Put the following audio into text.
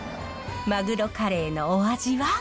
マグロカレーのお味は？